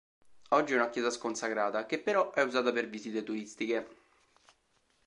Oggi è una chiesa sconsacrata, che però è usata per visite turistiche.